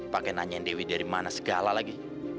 pakai nanyain dewi dari mana segala lagi